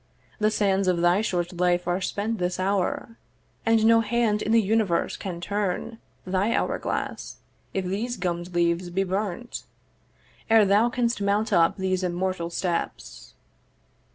'The sands of thy short life are spent this hour, 'And no hand in the universe can turn 'Thy hourglass, if these gummed leaves be burnt 'Ere thou canst mount up these immortal steps.'